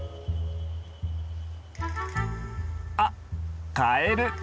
あっカエル！